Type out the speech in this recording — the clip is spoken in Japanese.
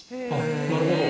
なるほど。